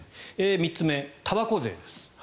３つ目、たばこ税です。